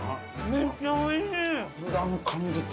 めっちゃおいしい。